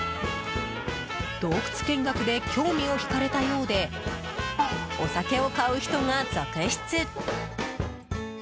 洞窟見学で興味を引かれたようでお酒を買う人が続出。